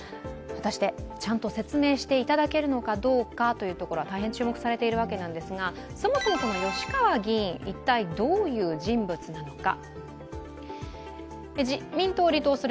果たしてちゃんと説明していただけるのかどうかというところが大変注目されているわけなんですが、吉川議員は一体どういう人物なのか。